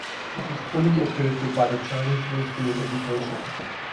It is fully accredited by the Chinese Ministry of Education.